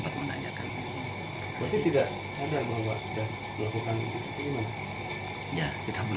berarti tidak sadar bahwa sudah melakukan itu gimana